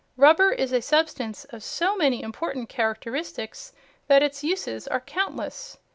Rubber is a substance of so many important characteristics that its uses are countless.